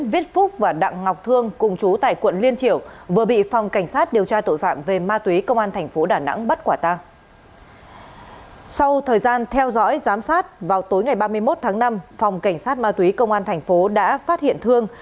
vào tối ngày ba mươi một tháng năm phòng cảnh sát ma túy công an thành phố đã phát hiện thương